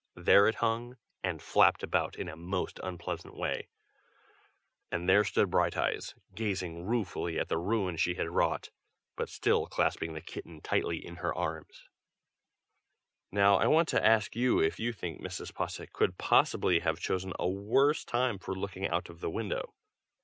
There it hung, and flapped about in a most unpleasant way, and there stood Brighteyes, gazing ruefully at the ruin she had wrought, but still clasping the kitten tightly in her arms. Now I want to ask you if you think Mrs. Posset could possibly have chosen a worse time for looking out of the window?